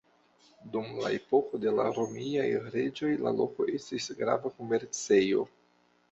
Dum la epoko de la romiaj reĝoj la loko estis grava komercejo.